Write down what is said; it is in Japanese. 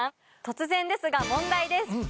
突然ですが問題です。